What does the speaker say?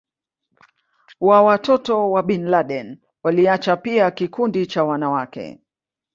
wa watoto wa Bin Laden Waliacha pia kikundi cha wanawake